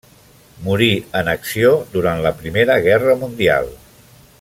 Morí en acció durant la Primera Guerra Mundial.